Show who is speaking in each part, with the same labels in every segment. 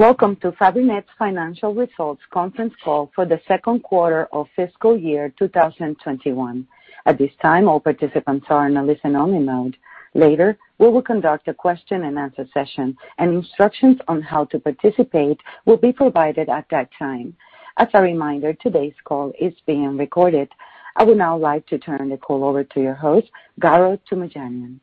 Speaker 1: Welcome to Fabrinet's Financial Results Conference Call for the Second Quarter of Fiscal Year 2021. At this time, all participants are in a listen-only mode. Later, we will conduct a question and answer session, and instructions on how to participate will be provided at that time. As a reminder, today's call is being recorded. I would now like to turn the call over to your host, Garo Toomajanian.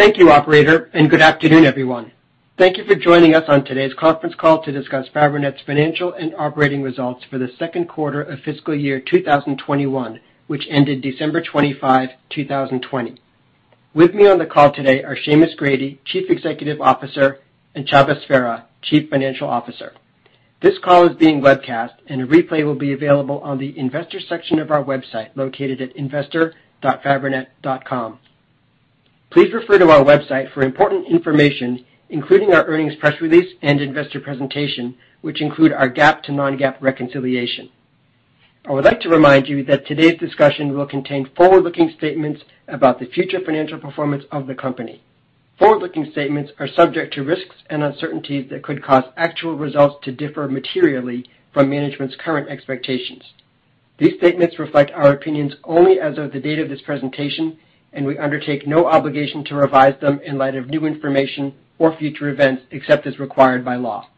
Speaker 2: Thank you, operator, and good afternoon, everyone. Thank you for joining us on today's conference call to discuss Fabrinet's financial and operating results for the second quarter of fiscal year 2021, which ended December 25, 2020. With me on the call today are Seamus Grady, Chief Executive Officer, and Csaba Sverha, Chief Financial Officer. This call is being webcast, and a replay will be available on the investors section of our website, located at investor.fabrinet.com. Please refer to our website for important information, including our earnings press release and investor presentation, which include our GAAP to non-GAAP reconciliation. I would like to remind you that today's discussion will contain forward-looking statements about the future financial performance of the company. Forward-looking statements are subject to risks and uncertainties that could cause actual results to differ materially from management's current expectations. These statements reflect our opinions only as of the date of this presentation, and we undertake no obligation to revise them in light of new information or future events, except as required by law.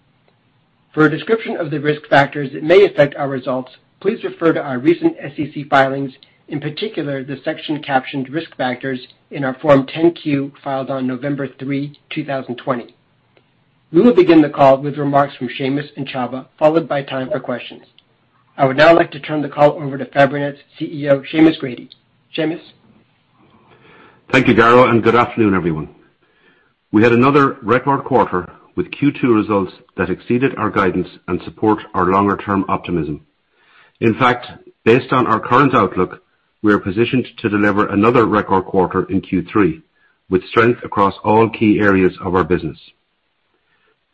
Speaker 2: For a description of the risk factors that may affect our results, please refer to our recent SEC filings. In particular, the section captioned "Risk Factors" in our Form 10-Q filed on November 3, 2020. We will begin the call with remarks from Seamus and Csaba, followed by time for questions. I would now like to turn the call over to Fabrinet's CEO, Seamus Grady. Seamus?
Speaker 3: Thank you, Garo. Good afternoon, everyone. We had another record quarter with Q2 results that exceeded our guidance and support our longer-term optimism. In fact, based on our current outlook, we are positioned to deliver another record quarter in Q3, with strength across all key areas of our business.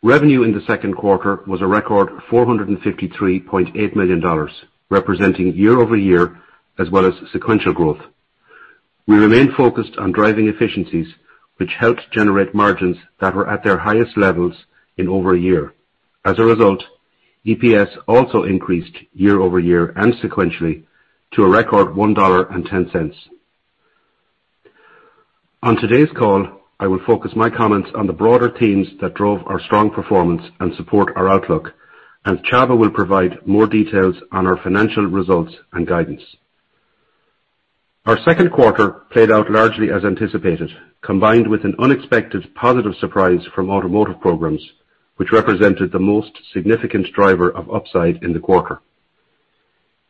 Speaker 3: Revenue in the second quarter was a record $453.8 million, representing year-over-year as well as sequential growth. We remain focused on driving efficiencies, which helped generate margins that were at their highest levels in over a year. As a result, EPS also increased year-over-year and sequentially to a record $1.10. On today's call, I will focus my comments on the broader themes that drove our strong performance and support our outlook. Csaba will provide more details on our financial results and guidance. Our second quarter played out largely as anticipated, combined with an unexpected positive surprise from automotive programs, which represented the most significant driver of upside in the quarter.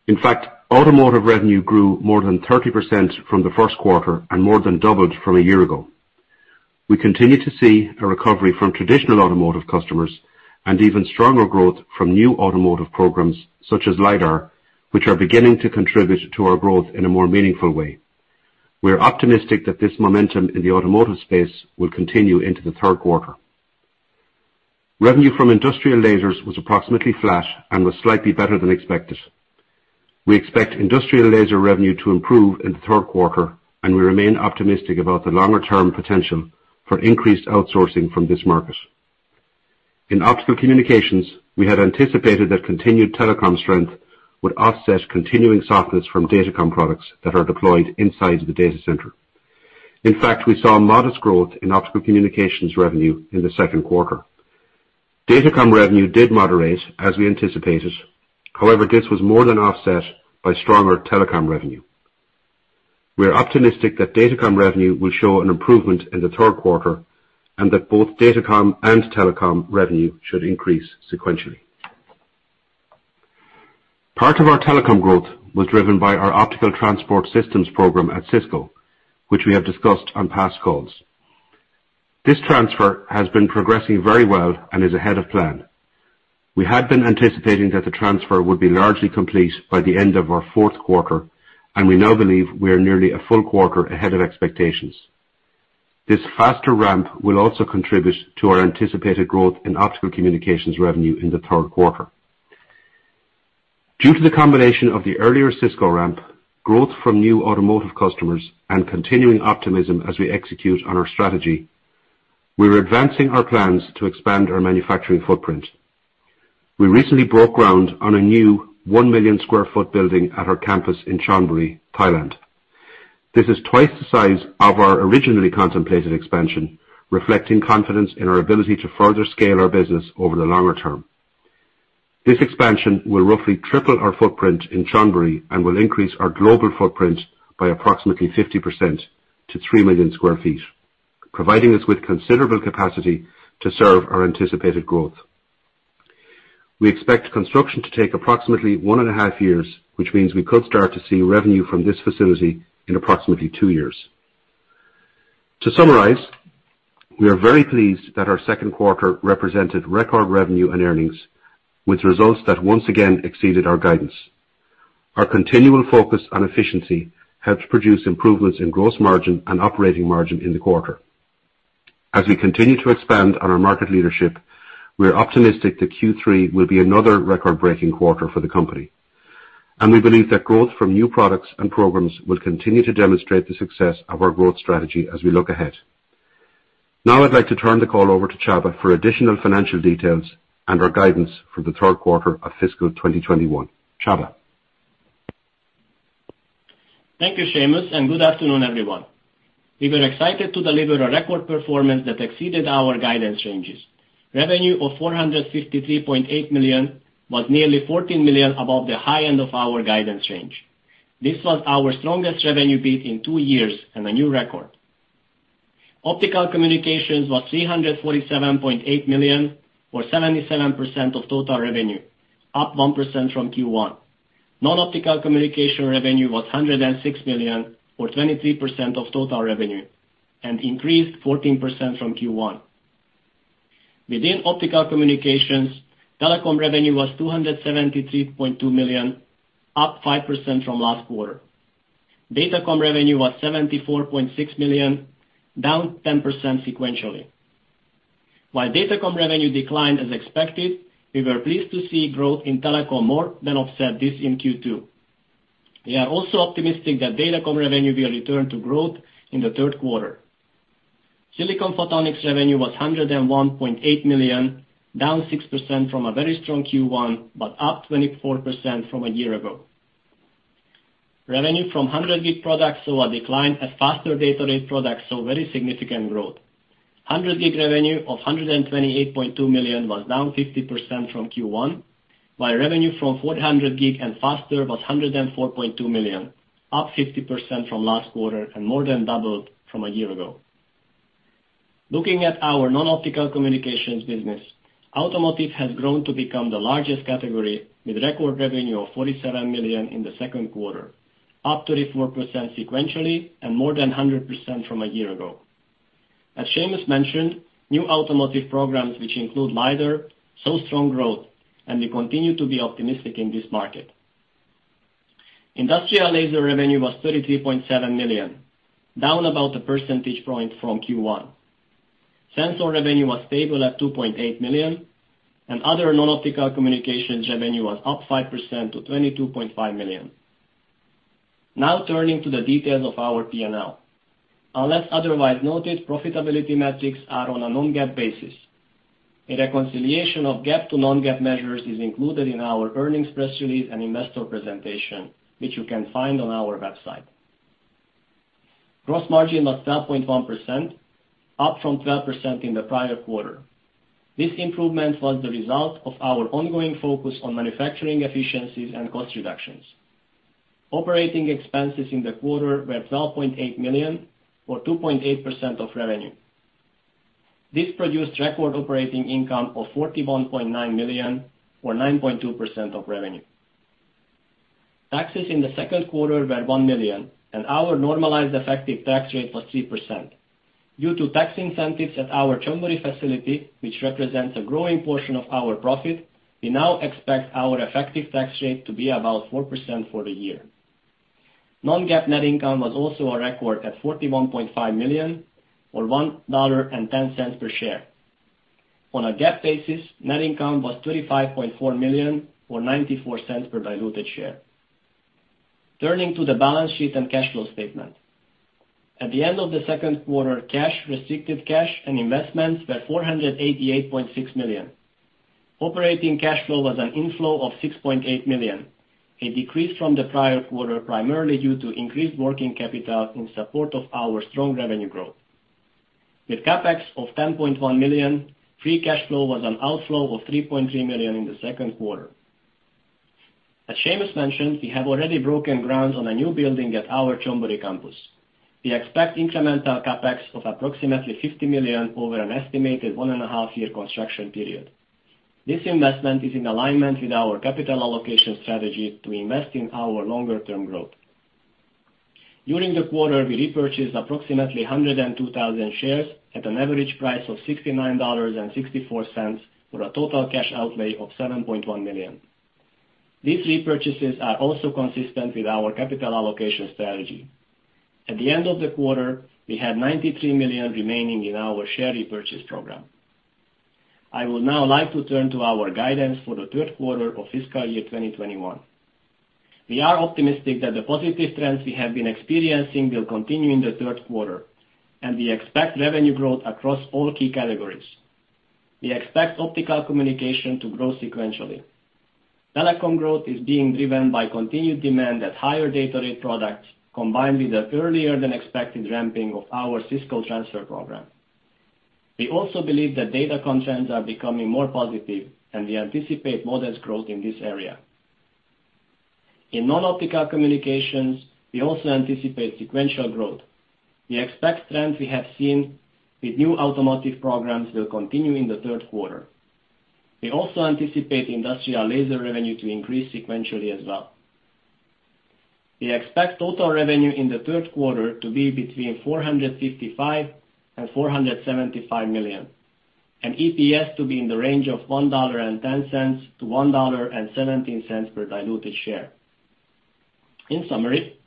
Speaker 3: In fact, automotive revenue grew more than 30% from the first quarter and more than doubled from a year ago. We continue to see a recovery from traditional automotive customers and even stronger growth from new automotive programs such as LiDAR, which are beginning to contribute to our growth in a more meaningful way. We are optimistic that this momentum in the automotive space will continue into the third quarter. Revenue from industrial lasers was approximately flat and was slightly better than expected. We expect industrial laser revenue to improve in the third quarter, and we remain optimistic about the longer-term potential for increased outsourcing from this market. In optical communications, we had anticipated that continued telecom strength would offset continuing softness from datacom products that are deployed inside the data center. In fact, we saw modest growth in optical communications revenue in the second quarter. Datacom revenue did moderate as we anticipated. However, this was more than offset by stronger telecom revenue. We are optimistic that datacom revenue will show an improvement in the third quarter, and that both datacom and telecom revenue should increase sequentially. Part of our telecom growth was driven by our Optical Transport Systems program at Cisco, which we have discussed on past calls. This transfer has been progressing very well and is ahead of plan. We had been anticipating that the transfer would be largely complete by the end of our fourth quarter, and we now believe we are nearly a full quarter ahead of expectations. This faster ramp will also contribute to our anticipated growth in optical communications revenue in the third quarter. Due to the combination of the earlier Cisco ramp, growth from new automotive customers, and continuing optimism as we execute on our strategy, we're advancing our plans to expand our manufacturing footprint. We recently broke ground on a new 1 million square foot building at our campus in Chonburi, Thailand. This is twice the size of our originally contemplated expansion, reflecting confidence in our ability to further scale our business over the longer term. This expansion will roughly triple our footprint in Chonburi and will increase our global footprint by approximately 50% to 3 million square feet, providing us with considerable capacity to serve our anticipated growth. We expect construction to take approximately one and a half years, which means we could start to see revenue from this facility in approximately two years. To summarize, we are very pleased that our second quarter represented record revenue and earnings with results that once again exceeded our guidance. Our continual focus on efficiency helped produce improvements in gross margin and operating margin in the quarter. As we continue to expand on our market leadership, we are optimistic that Q3 will be another record-breaking quarter for the company, and we believe that growth from new products and programs will continue to demonstrate the success of our growth strategy as we look ahead. Now I'd like to turn the call over to Csaba for additional financial details and our guidance for the third quarter of fiscal 2021. Csaba.
Speaker 4: Thank you, Seamus, and good afternoon, everyone. We were excited to deliver a record performance that exceeded our guidance ranges. Revenue of $453.8 million was nearly $14 million above the high end of our guidance range. This was our strongest revenue beat in two years and a new record. Optical Communications was $347.8 million or 77% of total revenue, up 1% from Q1. Non-Optical Communication revenue was $106 million or 23% of total revenue and increased 14% from Q1. Within optical communications, telecom revenue was $273.2 million, up 5% from last quarter. Datacom revenue was $74.6 million, down 10% sequentially. While Datacom revenue declined as expected, we were pleased to see growth in telecom more than offset this in Q2. We are also optimistic that Datacom revenue will return to growth in the third quarter. Silicon photonics revenue was $101.8 million, down 6% from a very strong Q1, but up 24% from a year ago. Revenue from 100G products saw a decline as faster data rate products saw very significant growth. 100G revenue of $128.2 million was down 50% from Q1. While revenue from 400G and faster was $104.2 million, up 50% from last quarter and more than doubled from a year ago. Looking at our non-optical communications business, automotive has grown to become the largest category, with record revenue of $47 million in the second quarter, up 34% sequentially and more than 100% from a year ago. As Seamus mentioned, new automotive programs, which include LiDAR, saw strong growth, and we continue to be optimistic in this market. Industrial laser revenue was $33.7 million, down about one percentage point from Q1. Sensor revenue was stable at $2.8 million, and other non-optical communications revenue was up 5% to $22.5 million. Now turning to the details of our P&L. Unless otherwise noted, profitability metrics are on a non-GAAP basis. A reconciliation of GAAP to non-GAAP measures is included in our earnings press release and investor presentation, which you can find on our website. Gross margin was 12.1%, up from 12% in the prior quarter. This improvement was the result of our ongoing focus on manufacturing efficiencies and cost reductions. Operating expenses in the quarter were $12.8 million or 2.8% of revenue. This produced record operating income of $41.9 million or 9.2% of revenue. Taxes in the second quarter were $1 million, and our normalized effective tax rate was 3%. Due to tax incentives at our Chonburi facility, which represents a growing portion of our profit, we now expect our effective tax rate to be about 4% for the year. Non-GAAP net income was also a record at $41.5 million or $1.10 per share. On a GAAP basis, net income was $35.4 million or $0.94 per diluted share. Turning to the balance sheet and cash flow statement. At the end of the second quarter, cash, restricted cash and investments were $488.6 million. Operating cash flow was an inflow of $6.8 million, a decrease from the prior quarter, primarily due to increased working capital in support of our strong revenue growth. With CapEx of $10.1 million, free cash flow was an outflow of $3.3 million in the second quarter. As Seamus mentioned, we have already broken ground on a new building at our Chonburi campus. We expect incremental CapEx of approximately $50 million over an estimated one and a half year construction period. This investment is in alignment with our capital allocation strategy to invest in our longer-term growth. During the quarter, we repurchased approximately 102,000 shares at an average price of $69.64, for a total cash outlay of $7.1 million. These repurchases are also consistent with our capital allocation strategy. At the end of the quarter, we had $93 million remaining in our share repurchase program. I would now like to turn to our guidance for the third quarter of fiscal year 2021. We are optimistic that the positive trends we have been experiencing will continue in the third quarter. We expect revenue growth across all key categories. We expect optical communications to grow sequentially. Telecom growth is being driven by continued demand at higher data rate products, combined with the earlier than expected ramping of our Cisco transfer program. We also believe that data trends are becoming more positive, and we anticipate modest growth in this area. In non-optical communications, we also anticipate sequential growth. We expect trends we have seen with new automotive programs will continue in the third quarter. We also anticipate industrial laser revenue to increase sequentially as well. We expect total revenue in the third quarter to be between $455 million and $475 million, and EPS to be in the range of $1.10-$1.17 per diluted share. In summary,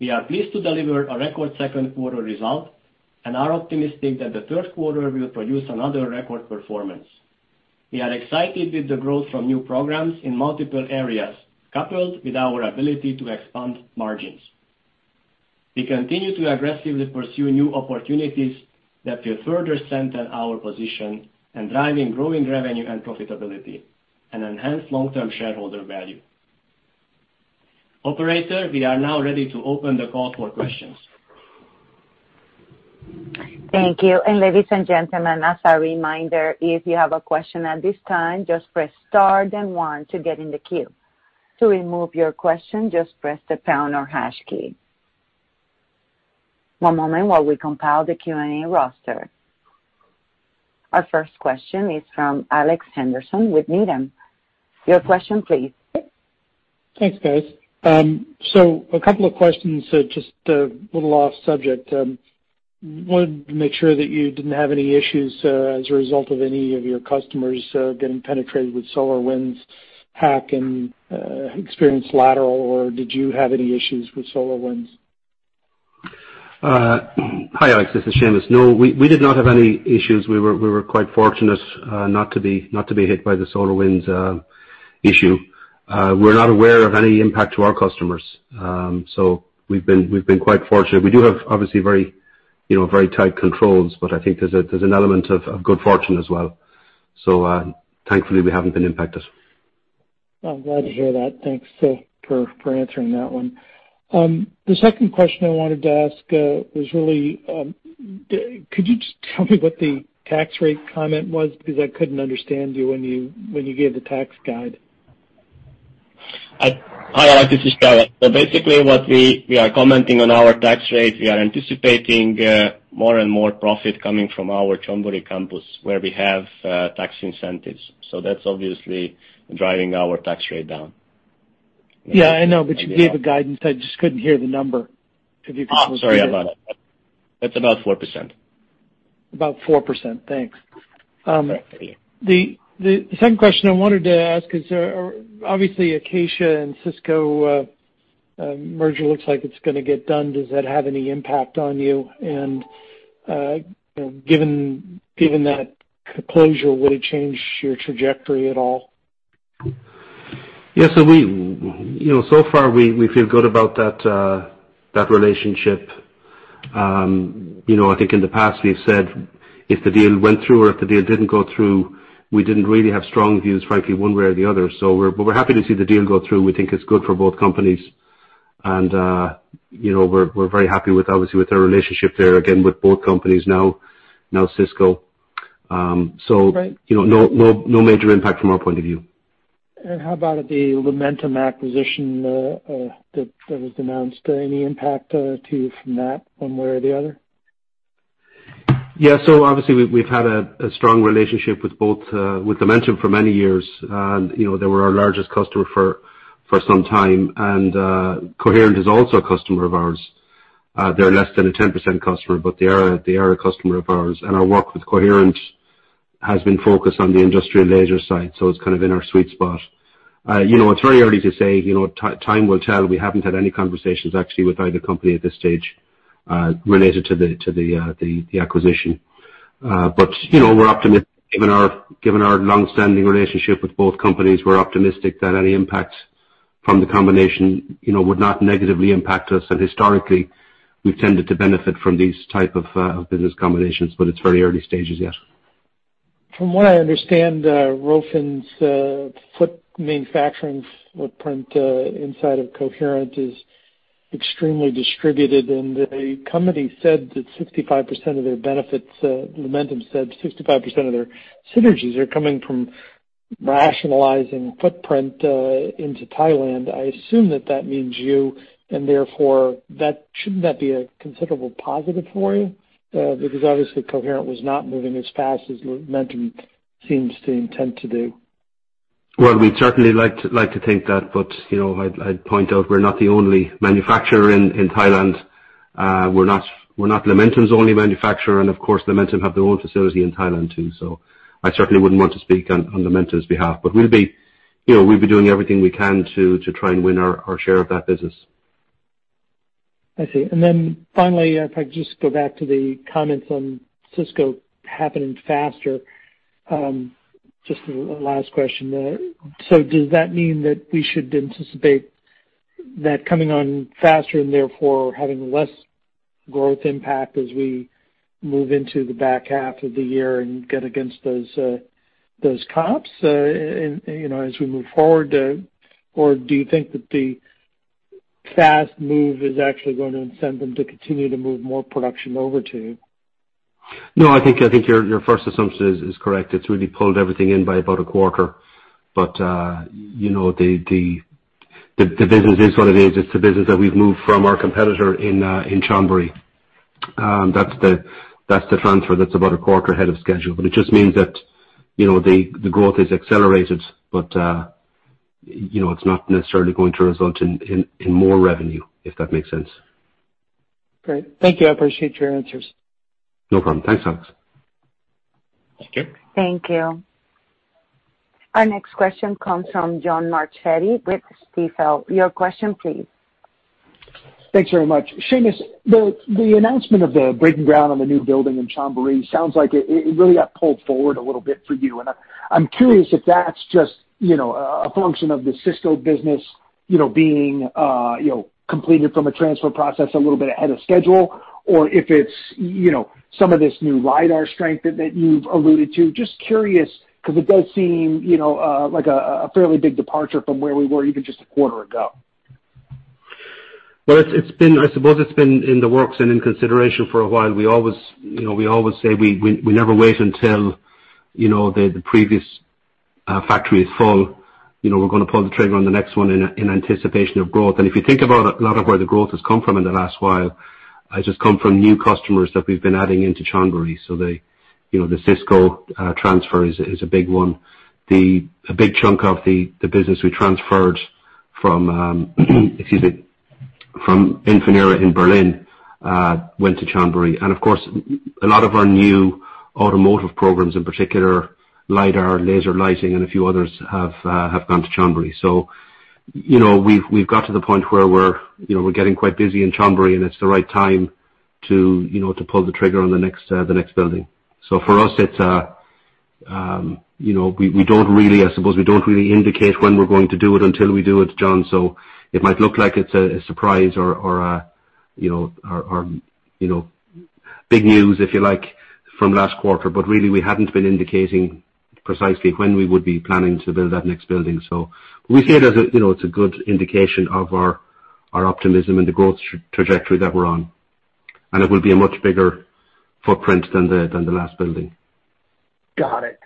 Speaker 4: we are pleased to deliver a record second quarter result and are optimistic that the third quarter will produce another record performance. We are excited with the growth from new programs in multiple areas, coupled with our ability to expand margins. We continue to aggressively pursue new opportunities that will further strengthen our position and driving growing revenue and profitability and enhance long-term shareholder value. Operator, we are now ready to open the call for questions.
Speaker 1: Thank you. Ladies and gentlemen, as a reminder, if you have a question at this time, just press star then one to get in the queue. To remove your question, just press the pound or hash key. One moment while we compile the Q&A roster. Our first question is from Alex Henderson with Needham. Your question please.
Speaker 5: Thanks, guys. A couple of questions, just a little off subject. Wanted to make sure that you didn't have any issues as a result of any of your customers getting penetrated with SolarWinds hack and experienced lateral, or did you have any issues with SolarWinds?
Speaker 3: Hi, Alex. This is Seamus. No, we did not have any issues. We were quite fortunate not to be hit by the SolarWinds issue. We're not aware of any impact to our customers. We've been quite fortunate. We do have obviously very tight controls, but I think there's an element of good fortune as well. Thankfully, we haven't been impacted.
Speaker 5: I'm glad to hear that. Thanks for answering that one. The second question I wanted to ask was really, could you just tell me what the tax rate comment was? Because I couldn't understand you when you gave the tax guide.
Speaker 4: Hi, Alex. This is Csaba. Basically what we are commenting on our tax rate, we are anticipating more and more profit coming from our Chonburi campus, where we have tax incentives. That's obviously driving our tax rate down.
Speaker 5: Yeah, I know, but you gave a guidance. I just couldn't hear the number. If you could repeat it?
Speaker 4: Oh, sorry about it. It's about 4%.
Speaker 5: About 4%. Thanks.
Speaker 4: Yeah.
Speaker 5: The second question I wanted to ask is, obviously Acacia and Cisco merger looks like it's gonna get done. Does that have any impact on you? Given that closure, will it change your trajectory at all?
Speaker 3: Yeah. So far we feel good about that relationship. I think in the past we've said if the deal went through or if the deal didn't go through, we didn't really have strong views, frankly, one way or the other. We're happy to see the deal go through. We think it's good for both companies. We're very happy obviously with the relationship there, again, with both companies now Cisco.
Speaker 5: Right
Speaker 3: No major impact from our point of view.
Speaker 5: How about the Lumentum acquisition that was announced? Any impact to you from that one way or the other?
Speaker 3: Obviously we've had a strong relationship with Lumentum for many years, and they were our largest customer for some time. Coherent is also a customer of ours. They're less than a 10% customer, they are a customer of ours. Our work with Coherent has been focused on the industrial laser side, it's kind of in our sweet spot. It's very early to say. Time will tell. We haven't had any conversations actually with either company at this stage related to the acquisition. Given our long-standing relationship with both companies, we're optimistic that any impact from the combination would not negatively impact us. Historically, we've tended to benefit from these type of business combinations, it's very early stages yet.
Speaker 5: From what I understand, Rofin's foot manufacturing footprint inside of Coherent is extremely distributed, and the company said that 65% of their benefits, Lumentum said 65% of their synergies are coming from rationalizing footprint into Thailand. I assume that that means you, and therefore shouldn't that be a considerable positive for you? Obviously Coherent was not moving as fast as Lumentum seems to intend to do.
Speaker 3: We'd certainly like to think that, but I'd point out we're not the only manufacturer in Thailand. We're not Lumentum's only manufacturer, and of course, Lumentum have their own facility in Thailand too. I certainly wouldn't want to speak on Lumentum's behalf, but we'll be doing everything we can to try and win our share of that business.
Speaker 5: I see. Then finally, if I could just go back to the comments on Cisco happening faster, just a last question. Does that mean that we should anticipate that coming on faster and therefore having less growth impact as we move into the back half of the year and get against those comps as we move forward? Or do you think that the fast move is actually going to incent them to continue to move more production over to you?
Speaker 3: No, I think your first assumption is correct. It's really pulled everything in by about a quarter. The business is what it is. It's the business that we've moved from our competitor in Chonburi. That's the transfer that's about a quarter ahead of schedule. It just means that the growth is accelerated, but it's not necessarily going to result in more revenue, if that makes sense.
Speaker 5: Great. Thank you. I appreciate your answers.
Speaker 3: No problem. Thanks, Alex.
Speaker 4: Thank you.
Speaker 1: Thank you. Our next question comes from John Marchetti with Stifel. Your question, please.
Speaker 6: Thanks very much. Seamus, the announcement of the breaking ground on the new building in Chonburi sounds like it really got pulled forward a little bit for you. I'm curious if that's just a function of the Cisco business being completed from a transfer process a little bit ahead of schedule, or if it's some of this new LiDAR strength that you've alluded to. Just curious because it does seem like a fairly big departure from where we were even just a quarter ago.
Speaker 3: Well, I suppose it's been in the works and in consideration for a while. We always say we never wait until the previous factory is full. We're going to pull the trigger on the next one in anticipation of growth. If you think about a lot of where the growth has come from in the last while, has just come from new customers that we've been adding into Chonburi. The Cisco transfer is a big one. A big chunk of the business we transferred from Infinera in Berlin, went to Chonburi. Of course, a lot of our new automotive programs, in particular LiDAR, laser lighting, and a few others have gone to Chonburi. We've got to the point where we're getting quite busy in Chonburi, and it's the right time to pull the trigger on the next building. For us, I suppose we don't really indicate when we're going to do it until we do it, John. It might look like it's a surprise or big news, if you like, from last quarter, but really we hadn't been indicating precisely when we would be planning to build that next building. We see it as a good indication of our optimism and the growth trajectory that we're on. It will be a much bigger footprint than the last building.
Speaker 6: Got it.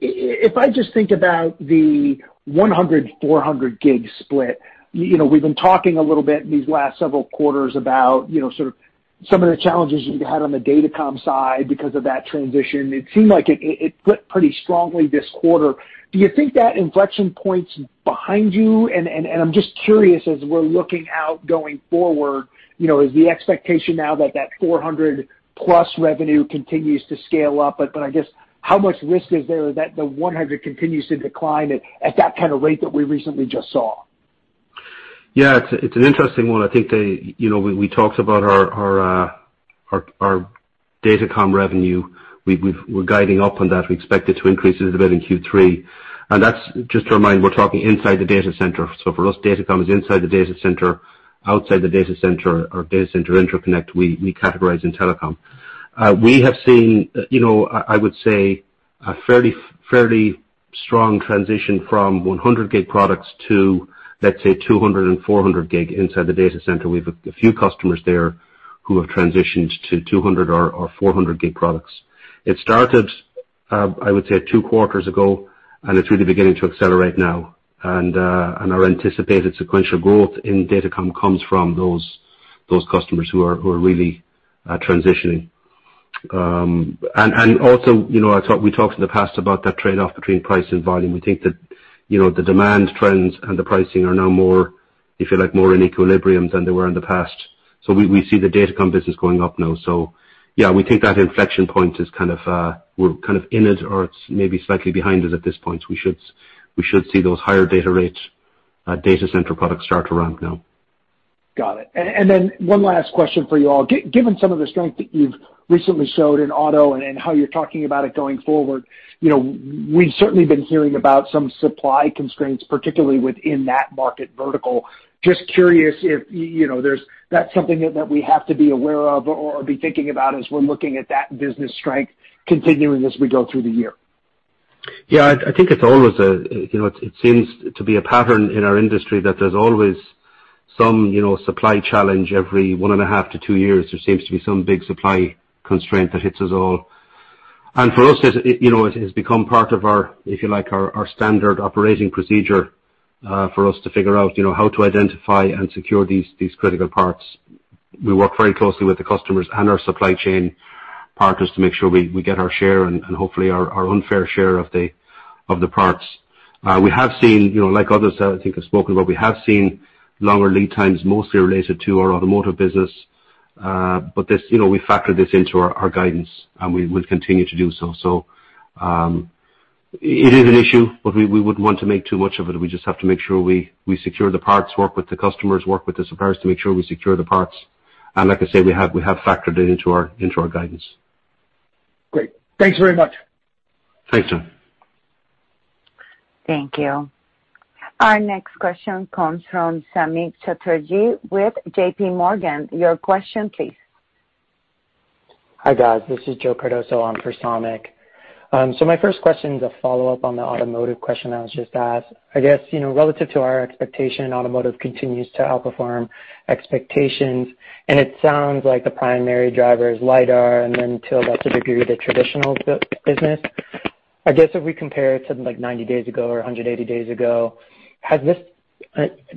Speaker 6: If I just think about the 100G, 400G split, we've been talking a little bit in these last several quarters about sort of some of the challenges you had on the datacom side because of that transition. It seemed like it flipped pretty strongly this quarter. Do you think that inflection point's behind you? I'm just curious, as we're looking out going forward, is the expectation now that that 400G-plus revenue continues to scale up? I guess how much risk is there that the 100G continues to decline at that kind of rate that we recently just saw?
Speaker 3: It's an interesting one. I think we talked about our datacom revenue. We're guiding up on that. We expect it to increase a little bit in Q3. That's just to remind, we're talking inside the data center. For us, datacom is inside the data center. Outside the data center or data center interconnect, we categorize in telecom. We have seen, I would say, a fairly strong transition from 100G products to, let's say, 200 and 400G inside the data center. We've a few customers there who have transitioned to 200 or 400G products. It started, I would say, two quarters ago, it's really beginning to accelerate now. Our anticipated sequential growth in datacom comes from those customers who are really transitioning. Also, we talked in the past about that trade-off between price and volume. We think that the demand trends and the pricing are now more, if you like, more in equilibrium than they were in the past. We see the datacom business going up now. Yeah, we think that inflection point, we're kind of in it or it's maybe slightly behind us at this point. We should see those higher data rates, data center products start to ramp now.
Speaker 6: Got it. One last question for you all. Given some of the strength that you've recently showed in auto and how you're talking about it going forward, we've certainly been hearing about some supply constraints, particularly within that market vertical. Just curious if that's something that we have to be aware of or be thinking about as we're looking at that business strength continuing as we go through the year?
Speaker 3: Yeah. I think it seems to be a pattern in our industry that there's always some supply challenge every one and a half to two years. There seems to be some big supply constraint that hits us all. For us, it has become part of our, if you like, our standard operating procedure for us to figure out how to identify and secure these critical parts. We work very closely with the customers and our supply chain partners to make sure we get our share and hopefully our unfair share of the parts. Like others, I think, have spoken about, we have seen longer lead times, mostly related to our automotive business. We factor this into our guidance, and we will continue to do so. It is an issue, but we wouldn't want to make too much of it. We just have to make sure we secure the parts, work with the customers, work with the suppliers to make sure we secure the parts. Like I say, we have factored it into our guidance.
Speaker 6: Great. Thanks very much.
Speaker 3: Thanks, John.
Speaker 1: Thank you. Our next question comes from Samik Chatterjee with JPMorgan. Your question, please.
Speaker 7: Hi, guys. This is Joe Cardoso on for Samik. My first question is a follow-up on the automotive question that was just asked. I guess, relative to our expectation, automotive continues to outperform expectations, and it sounds like the primary driver is LiDAR and then to a lesser degree, the traditional business. I guess if we compare it to like 90 days ago or 180 days ago, has this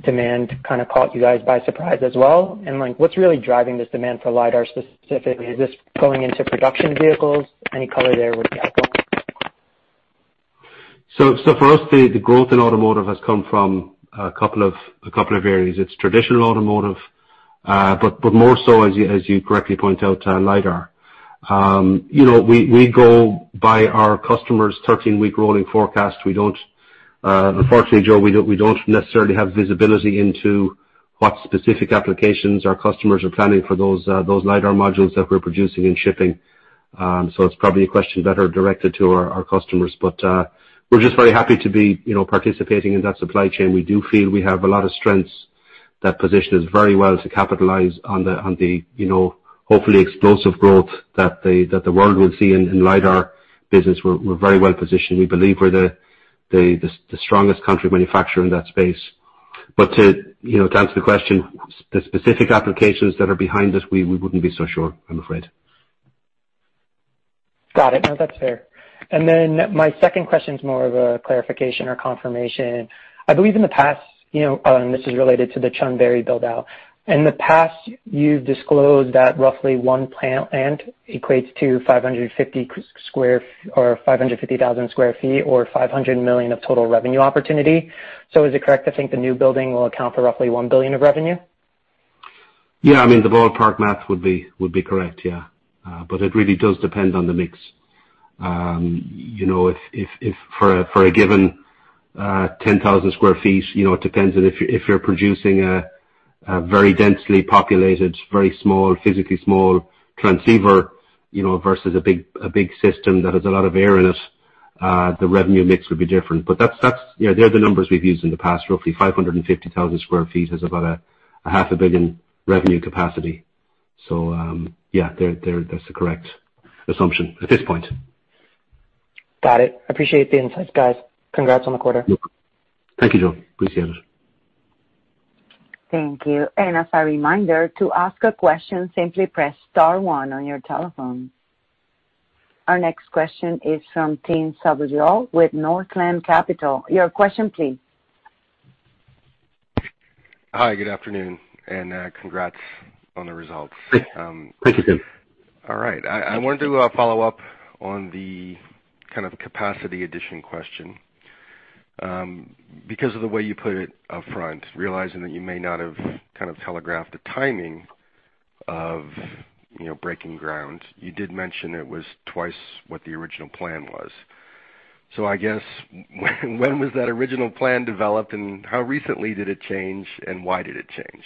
Speaker 7: demand kind of caught you guys by surprise as well? What's really driving this demand for LiDAR specifically? Is this going into production vehicles? Any color there would be helpful.
Speaker 3: For us, the growth in automotive has come from a couple of areas. It's traditional automotive. More so, as you correctly point out, LiDAR. We go by our customers' 13-week rolling forecast. Unfortunately, Joe, we don't necessarily have visibility into what specific applications our customers are planning for those LiDAR modules that we're producing and shipping. It's probably a question better directed to our customers. We're just very happy to be participating in that supply chain. We do feel we have a lot of strengths that position us very well to capitalize on the hopefully explosive growth that the world will see in LiDAR business. We're very well positioned. We believe we're the strongest contract manufacturer in that space. To answer the question, the specific applications that are behind it, we wouldn't be so sure, I'm afraid.
Speaker 7: Got it. No, that's fair. My second question is more of a clarification or confirmation. I believe in the past, and this is related to the Chonburi build-out. In the past, you've disclosed that roughly one plant land equates to 550,000 sq ft or $500 million of total revenue opportunity. Is it correct to think the new building will account for roughly $1 billion of revenue?
Speaker 3: The ballpark math would be correct, yeah. It really does depend on the mix. For a given 10,000 sq ft, it depends if you're producing a very densely populated, very small, physically small transceiver, versus a big system that has a lot of air in it, the revenue mix would be different. They're the numbers we've used in the past. Roughly 550,000 sq ft is about a half a billion revenue capacity. Yeah, that's the correct assumption at this point.
Speaker 7: Got it. Appreciate the insights, guys. Congrats on the quarter.
Speaker 3: Thank you, Joe. Appreciate it.
Speaker 1: Thank you. As a reminder, to ask a question, simply press star one on your telephone. Our next question is from Tim Savageaux with Northland Capital Markets. Your question please.
Speaker 8: Hi, good afternoon, and congrats on the results.
Speaker 3: Thank you, Tim.
Speaker 8: All right. I wanted to follow up on the kind of capacity addition question. Because of the way you put it upfront, realizing that you may not have kind of telegraphed the timing of breaking ground. You did mention it was twice what the original plan was. I guess, when was that original plan developed and how recently did it change, and why did it change?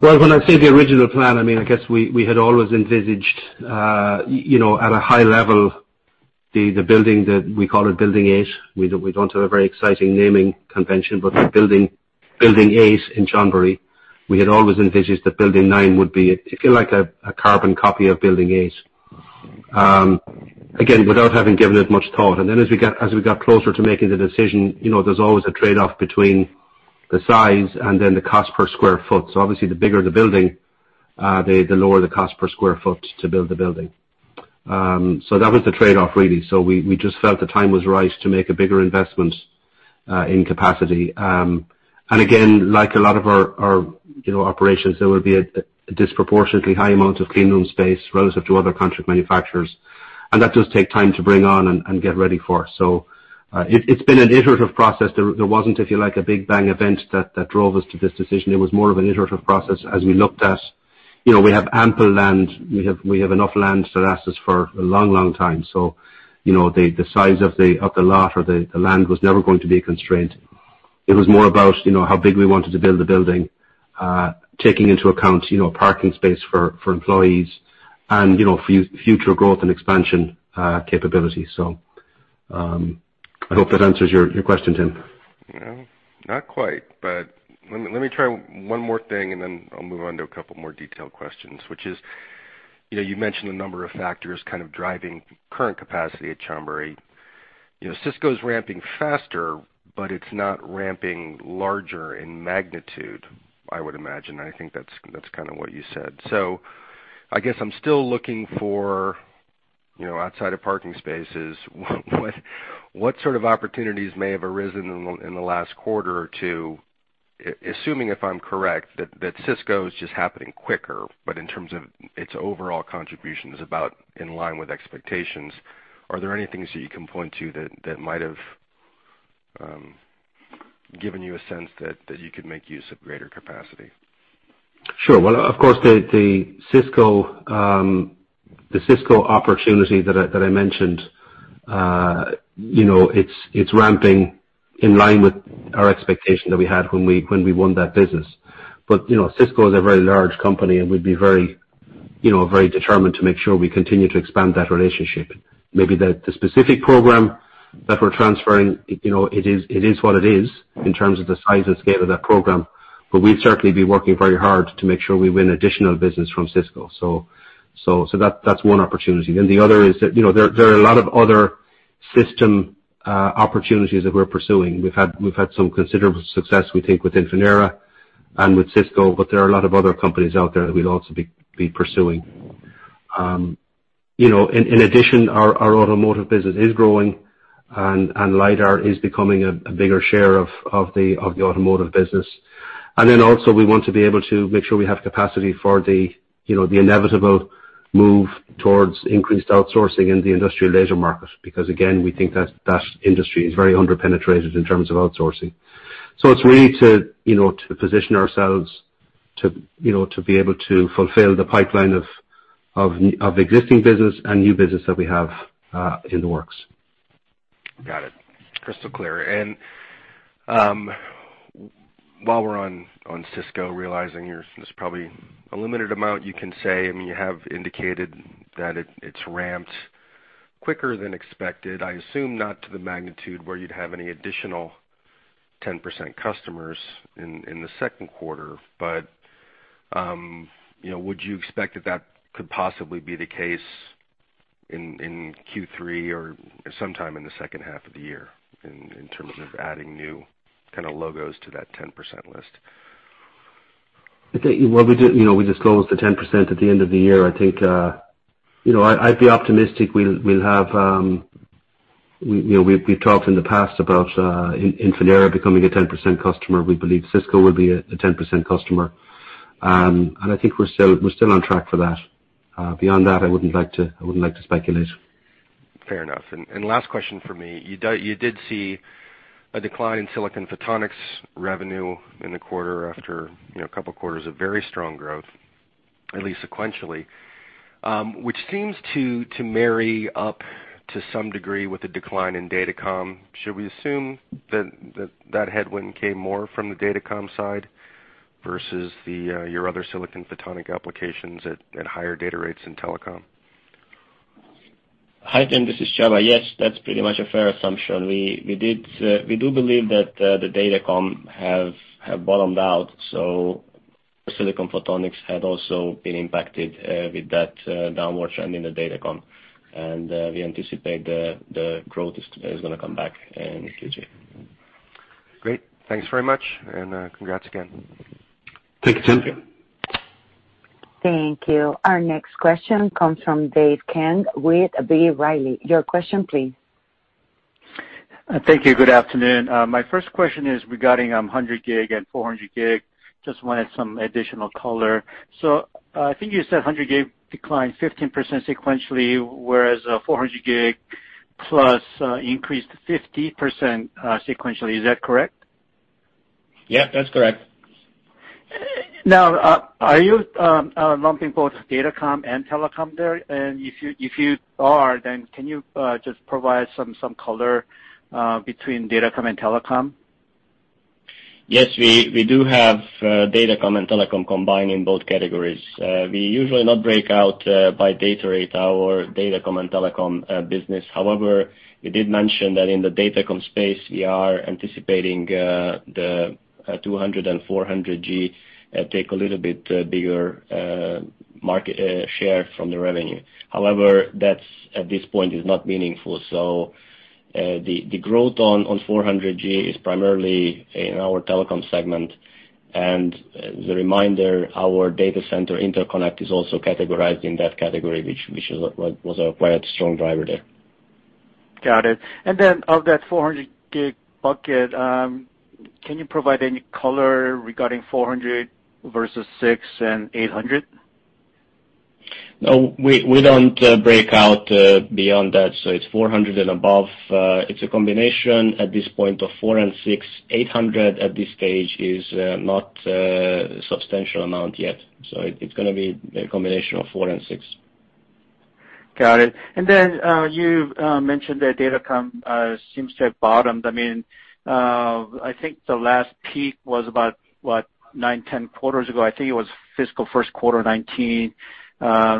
Speaker 3: Well, when I say the original plan, I guess we had always envisaged at a high level the building that we call it Building 8. We don't have a very exciting naming convention, but Building 8 in Chonburi, we had always envisaged that Building 9 would be, if you like, a carbon copy of Building 8. Again, without having given it much thought. Then as we got closer to making the decision, there's always a trade-off between the size and then the cost per square foot. Obviously the bigger the building, the lower the cost per square foot to build the building. That was the trade-off, really. We just felt the time was right to make a bigger investment in capacity. Again, like a lot of our operations, there will be a disproportionately high amount of clean room space relative to other contract manufacturers, and that does take time to bring on and get ready for. It's been an iterative process there. There wasn't, if you like, a big bang event that drove us to this decision. It was more of an iterative process as we looked at, we have ample land, we have enough land to last us for a long time. The size of the lot or the land was never going to be a constraint. It was more about how big we wanted to build the building, taking into account parking space for employees and future growth and expansion capabilities. I hope that answers your question, Tim.
Speaker 8: Not quite, but let me try one more thing and then I'll move on to a couple more detailed questions. Which is, you mentioned a number of factors kind of driving current capacity at Chonburi. Cisco's ramping faster, but it's not ramping larger in magnitude, I would imagine. I think that's kind of what you said. I guess I'm still looking for, outside of parking spaces, what sort of opportunities may have arisen in the last quarter or two, assuming if I'm correct, that Cisco's just happening quicker, but in terms of its overall contribution is about in line with expectations. Are there any things that you can point to that might have given you a sense that you could make use of greater capacity?
Speaker 3: Sure. Well, of course, the Cisco opportunity that I mentioned, it's ramping in line with our expectation that we had when we won that business. Cisco is a very large company, and we'd be very determined to make sure we continue to expand that relationship. Maybe the specific program that we're transferring, it is what it is, in terms of the size and scale of that program, but we'd certainly be working very hard to make sure we win additional business from Cisco. That's one opportunity. The other is that there are a lot of other system opportunities that we're pursuing. We've had some considerable success, we think, with Infinera and with Cisco, but there are a lot of other companies out there that we'll also be pursuing. In addition, our automotive business is growing, and LiDAR is becoming a bigger share of the automotive business. Also we want to be able to make sure we have capacity for the inevitable move towards increased outsourcing in the industrial laser market, because again, we think that industry is very under-penetrated in terms of outsourcing. It's really to position ourselves to be able to fulfill the pipeline of existing business and new business that we have in the works.
Speaker 8: Got it. Crystal clear. While we're on Cisco, realizing there's probably a limited amount you can say, I mean, you have indicated that it's ramped quicker than expected. I assume not to the magnitude where you'd have any additional 10% customers in the second quarter, but would you expect that that could possibly be the case in Q3 or sometime in the second half of the year in terms of adding new kind of logos to that 10% list?
Speaker 3: I think, well, we disclosed the 10% at the end of the year. I think, I'd be optimistic. We've talked in the past about Infinera becoming a 10% customer. We believe Cisco will be a 10% customer. I think we're still on track for that. Beyond that, I wouldn't like to speculate.
Speaker 8: Fair enough. Last question from me. You did see a decline in silicon photonics revenue in the quarter after a couple of quarters of very strong growth, at least sequentially, which seems to marry up to some degree with the decline in datacom. Should we assume that that headwind came more from the datacom side versus your other silicon photonic applications at higher data rates in telecom?
Speaker 4: Hi, Tim, this is Csaba. Yes, that's pretty much a fair assumption. We do believe that the datacom have bottomed out. Silicon photonics had also been impacted with that downward trend in the datacom. We anticipate the growth is going to come back in Q2.
Speaker 8: Great. Thanks very much. Congrats again.
Speaker 3: Thank you, Tim.
Speaker 1: Thank you. Our next question comes from Dave Kang with B. Riley Securities. Your question please.
Speaker 9: Thank you. Good afternoon. My first question is regarding 100G and 400G. Just wanted some additional color. I think you said 100G declined 15% sequentially, whereas 400G plus increased 50% sequentially. Is that correct?
Speaker 4: Yeah, that's correct.
Speaker 9: Are you lumping both datacom and telecom there? If you are, can you just provide some color between datacom and telecom?
Speaker 4: Yes, we do have datacom and telecom combined in both categories. We usually not break out by data rate our datacom and telecom business. We did mention that in the datacom space, we are anticipating the 200G and 400G take a little bit bigger market share from the revenue. That at this point is not meaningful. The growth on 400G is primarily in our telecom segment. As a reminder, our data center interconnect is also categorized in that category, which was a quite strong driver there.
Speaker 9: Got it. Of that 400G bucket, can you provide any color regarding 400G versus 600G and 800G?
Speaker 4: No, we don't break out beyond that. It's 400G and above. It's a combination at this point of four and six. 800G at this stage is not a substantial amount yet. It's going to be a combination of four and six.
Speaker 9: Got it. You mentioned that datacom seems to have bottomed. I think the last peak was about, what, nine, 10 quarters ago? I think it was fiscal first quarter 2019,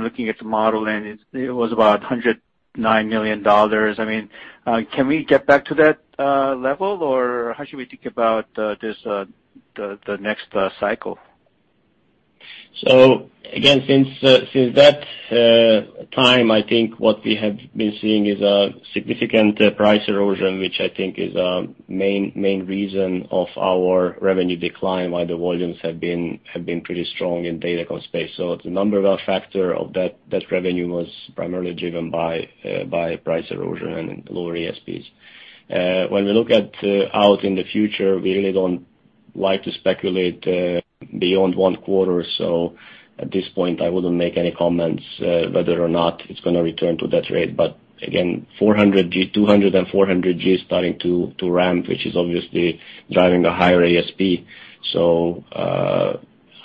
Speaker 9: looking at the model, it was about $109 million. Can we get back to that level, or how should we think about the next cycle?
Speaker 4: Again, since that time, I think what we have been seeing is a significant price erosion, which I think is a main reason of our revenue decline, why the volumes have been pretty strong in datacom space. The number one factor of that revenue was primarily driven by price erosion and lower ASPs. When we look at out in the future, we really don't like to speculate beyond one quarter or so. At this point, I wouldn't make any comments whether or not it's going to return to that rate. Again, 200G and 400G is starting to ramp, which is obviously driving a higher ASP.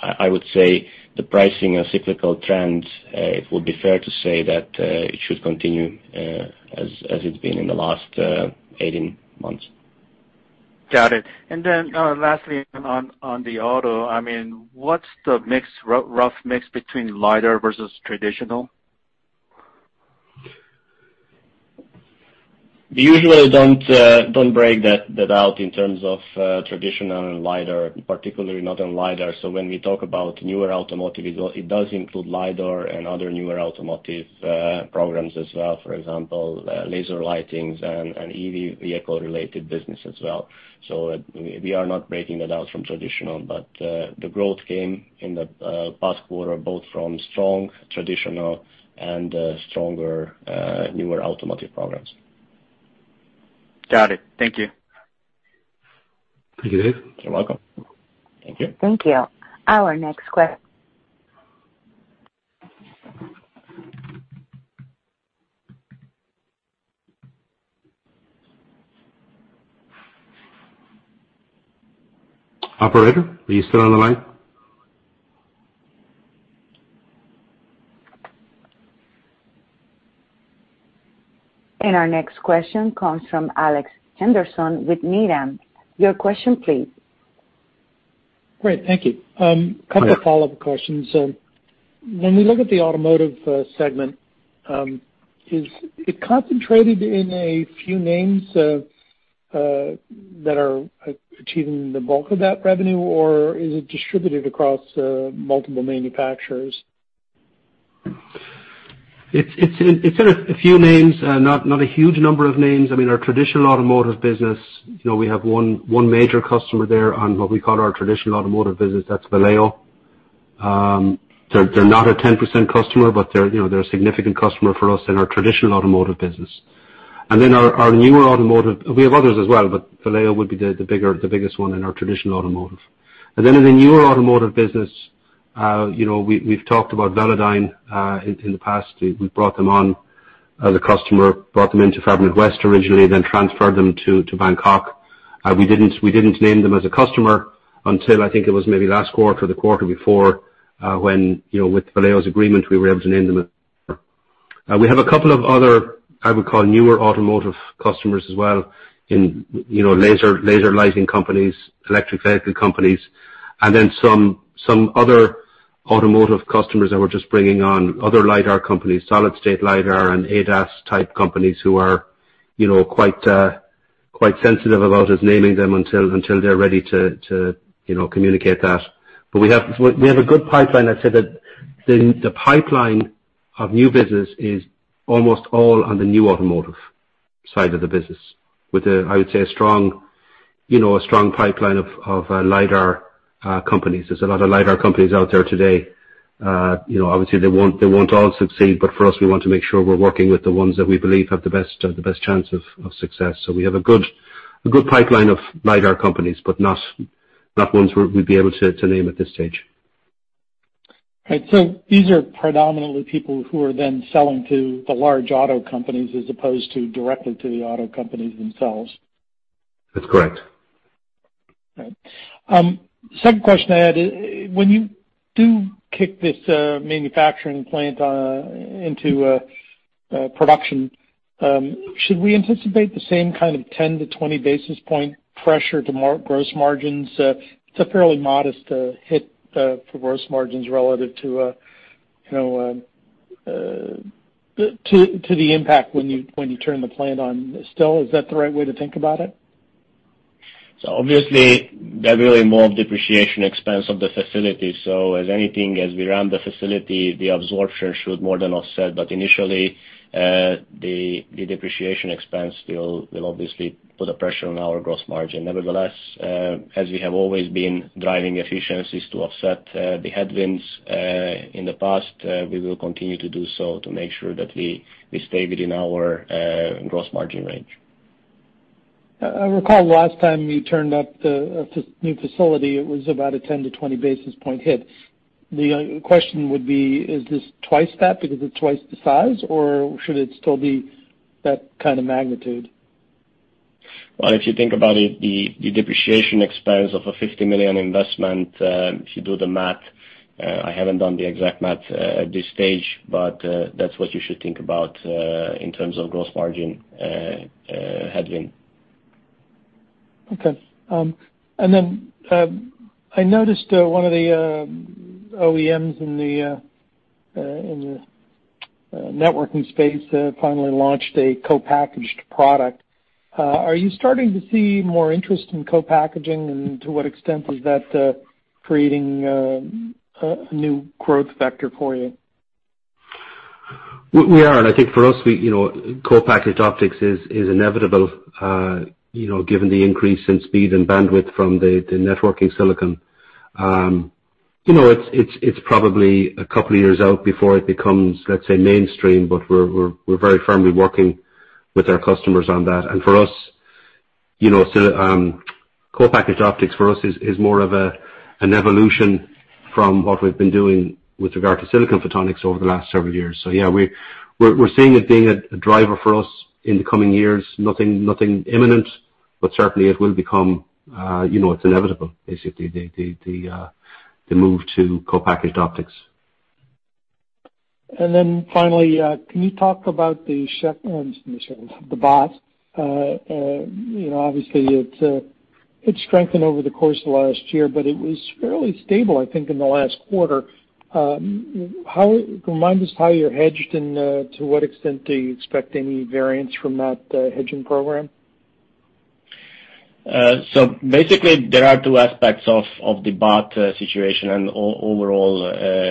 Speaker 4: I would say the pricing and cyclical trends, it would be fair to say that it should continue as it's been in the last 18 months.
Speaker 9: Got it. Lastly, on the auto, what's the rough mix between LiDAR versus traditional?
Speaker 4: We usually don't break that out in terms of traditional and LiDAR, particularly not on LiDAR. When we talk about newer automotive, it does include LiDAR and other newer automotive programs as well. For example, laser lightings and EV vehicle related business as well. We are not breaking that out from traditional, but the growth came in the past quarter, both from strong traditional and stronger newer automotive programs.
Speaker 9: Got it. Thank you.
Speaker 3: Thank you, Dave.
Speaker 4: You're welcome.
Speaker 3: Thank you.
Speaker 1: Thank you.
Speaker 3: Operator, are you still on the line?
Speaker 1: Our next question comes from Alex Henderson with Needham. Your question please.
Speaker 5: Great, thank you.
Speaker 3: Hi.
Speaker 5: Couple of follow-up questions. When we look at the automotive segment, is it concentrated in a few names that are achieving the bulk of that revenue, or is it distributed across multiple manufacturers?
Speaker 3: It's in a few names, not a huge number of names. Our traditional automotive business, we have one major customer there on what we call our traditional automotive business. That's Valeo. They're not a 10% customer, they're a significant customer for us in our traditional automotive business. Our newer automotive, we have others as well, Valeo would be the biggest one in our traditional automotive. In the newer automotive business, we've talked about Velodyne in the past. We brought them on as a customer, brought them into Fabrinet West originally, then transferred them to Bangkok. We didn't name them as a customer until, I think it was maybe last quarter or the quarter before, when with Valeo's agreement, we were able to name them. We have a couple of other, I would call newer automotive customers as well in laser lighting companies, electric vehicle companies, and then some other automotive customers that we're just bringing on, other LiDAR companies, solid state LiDAR and ADAS-type companies who are quite sensitive about us naming them until they're ready to communicate that. We have a good pipeline. I'd say that the pipeline of new business is almost all on the new automotive side of the business with, I would say, a strong pipeline of LiDAR companies. There's a lot of LiDAR companies out there today. Obviously, they won't all succeed, but for us, we want to make sure we're working with the ones that we believe have the best chance of success. We have a good pipeline of LiDAR companies, but not ones we'd be able to name at this stage.
Speaker 5: Right. These are predominantly people who are then selling to the large auto companies as opposed to directly to the auto companies themselves.
Speaker 3: That's correct.
Speaker 5: Right. Second question I had is, when you do kick this manufacturing plant into production, should we anticipate the same kind of 10-20 basis point pressure to gross margins? It's a fairly modest hit for gross margins relative to the impact when you turn the plant on. Still, is that the right way to think about it?
Speaker 4: Obviously, they're really more of depreciation expense of the facility. As anything, as we run the facility, the absorption should more than offset. Initially, the depreciation expense will obviously put a pressure on our gross margin. Nevertheless, as we have always been driving efficiencies to offset the headwinds in the past, we will continue to do so to make sure that we stay within our gross margin range.
Speaker 5: I recall last time you turned up the new facility, it was about a 10-20 basis point hit. The question would be, is this twice that because it's twice the size, or should it still be that kind of magnitude?
Speaker 4: Well, if you think about it, the depreciation expense of a $50 million investment, if you do the math, I haven't done the exact math at this stage, but that's what you should think about in terms of gross margin headwind.
Speaker 5: Okay. Then I noticed one of the OEMs in the networking space finally launched a co-packaged product. Are you starting to see more interest in co-packaging, and to what extent is that creating a new growth vector for you?
Speaker 3: I think for us, co-packaged optics is inevitable given the increase in speed and bandwidth from the networking silicon. It's probably a couple of years out before it becomes, let's say, mainstream, but we're very firmly working with our customers on that. Co-packaged optics for us is more of an evolution from what we've been doing with regard to silicon photonics over the last several years. Yeah, we're seeing it being a driver for us in the coming years. Nothing imminent, but certainly it will become, it's inevitable, basically, the move to co-packaged optics.
Speaker 5: Finally, can you talk about the baht? Obviously, it strengthened over the course of last year, but it was fairly stable, I think, in the last quarter. Remind us how you're hedged and to what extent do you expect any variance from that hedging program?
Speaker 4: Basically, there are two aspects of the baht situation and overall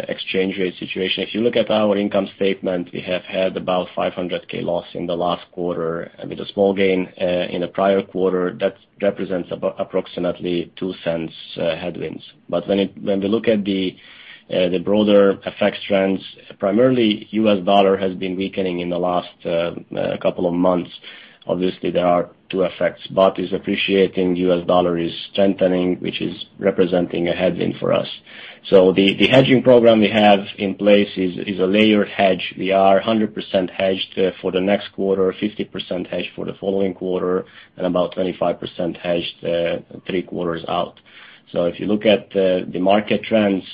Speaker 4: exchange rate situation. If you look at our income statement, we have had about $500,000 loss in the last quarter with a small gain in the prior quarter. That represents approximately $0.02 headwinds. When we look at the broader effect trends, primarily U.S. dollar has been weakening in the last couple of months. There are two effects. Baht is appreciating, U.S. dollar is strengthening, which is representing a headwind for us. The hedging program we have in place is a layered hedge. We are 100% hedged for the next quarter, 50% hedged for the following quarter, and about 25% hedged three quarters out. If you look at the market trends,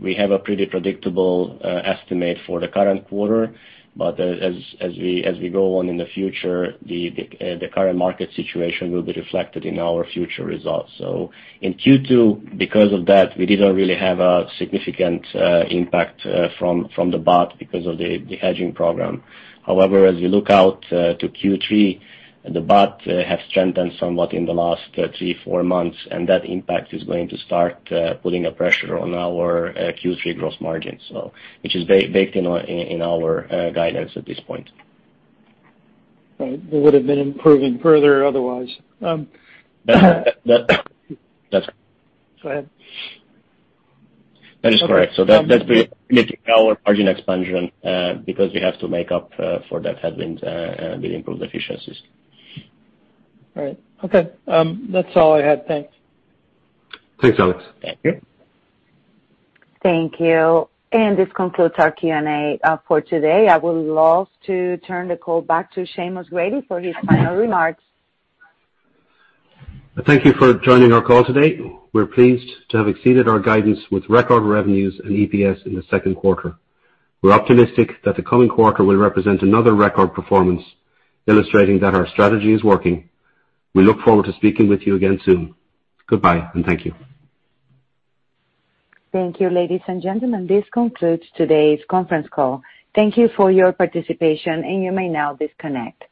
Speaker 4: we have a pretty predictable estimate for the current quarter. As we go on in the future, the current market situation will be reflected in our future results. In Q2, because of that, we didn't really have a significant impact from the baht because of the hedging program. However, as you look out to Q3, the baht have strengthened somewhat in the last three, four months, and that impact is going to start putting a pressure on our Q3 gross margin, which is baked in our guidance at this point.
Speaker 5: Right. It would've been improving further otherwise.
Speaker 4: That-
Speaker 5: Go ahead.
Speaker 4: That is correct. That's limiting our margin expansion, because we have to make up for that headwind with improved efficiencies.
Speaker 5: Right. Okay. That's all I had. Thanks.
Speaker 3: Thanks, Alex.
Speaker 4: Thank you.
Speaker 1: Thank you. This concludes our Q&A for today. I will love to turn the call back to Seamus Grady for his final remarks.
Speaker 3: Thank you for joining our call today. We're pleased to have exceeded our guidance with record revenues and EPS in the second quarter. We're optimistic that the coming quarter will represent another record performance, illustrating that our strategy is working. We look forward to speaking with you again soon. Goodbye, and thank you.
Speaker 1: Thank you, ladies and gentlemen. This concludes today's conference call. Thank you for your participation, and you may now disconnect.